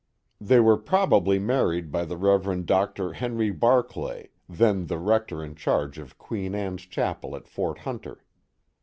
They were probably married by the Rev. Dr. Henry Barclay, then the rector in charge of Queen Anne's Chapel at Fort Hunter.